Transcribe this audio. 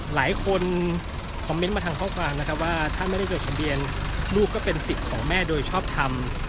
หลายคนคอมเมนต์มาทางข้อความนะครับว่าถ้าไม่ได้จดทะเบียนลูกก็เป็นสิทธิ์ของแม่โดยชอบทำ